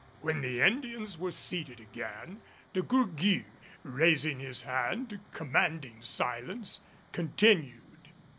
When the Indians were seated again De Gourgues, raising his hand commanding silence, continued.